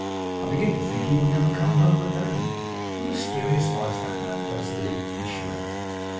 I begin to think he will never come home again. What a mysterious life that man does lead, to be sure!